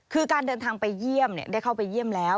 คือการเดินทางไปเยี่ยมได้เข้าไปเยี่ยมแล้ว